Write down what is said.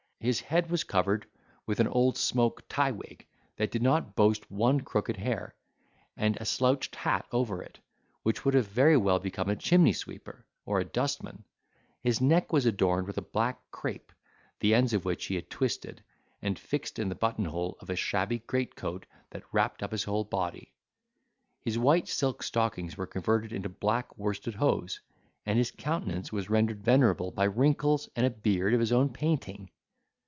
His head was covered with an old smoke tie wig that did not boast one crooked hair, and a slouched hat over it, which would have very well become a chimney sweeper, or a dustman; his neck was adorned with a black crape, the ends of which he had twisted, and fixed in the button hole of a shabby greatcoat that wrapped up his whole body; his white silk stockings were converted into black worsted hose: and his countenance was rendered venerable by wrinkles, and a beard of his own painting.